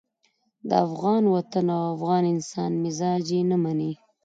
د افغان وطن او افغان انسان مزاج یې نه مني.